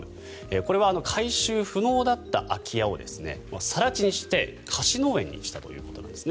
これは改修不能だった空き家を更地にして貸し農園にしたということなんですね。